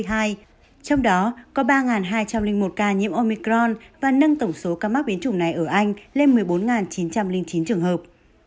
trong đó có ba hai trăm linh một ca nhiễm omicron và nâng tổng số ca mắc biến chủng này ở anh lên một mươi bốn chín trăm linh chín trường hợp